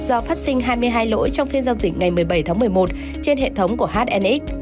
do phát sinh hai mươi hai lỗi trong phiên giao dịch ngày một mươi bảy tháng một mươi một trên hệ thống của hnx